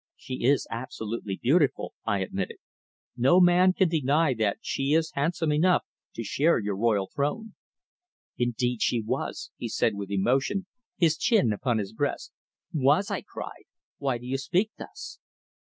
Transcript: "She is absolutely beautiful," I admitted. "No man can deny that she is handsome enough to share your royal throne." "Indeed she was," he said with emotion, his chin upon his breast. "Was!" I cried. "Why do you speak thus?"